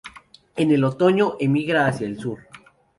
En el otoño emigra hacia el sur.